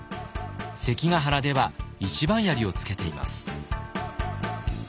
関ヶ原では一番槍をつけています。